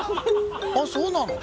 あそうなの。